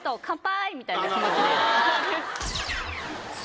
みたいな気持ちです。